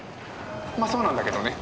まあそうなんだけどね。